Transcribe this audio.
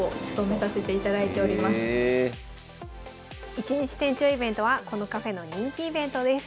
一日店長イベントはこのカフェの人気イベントです。